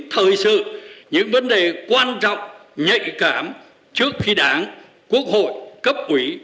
thời sự những vấn đề quan trọng nhạy cảm trước khi đảng quốc hội cấp ủy